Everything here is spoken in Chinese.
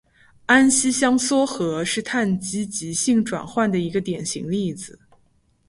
安息香缩合是羰基极性转换的一个典型例子。